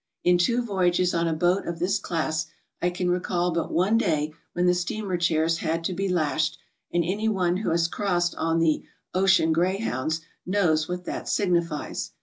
In two voyages on a boat of this class I can recall but one day wihen the steamer chairs had to be lashed, and any one who has cro ssed on the "ocean grey hounds" knows what that signifies.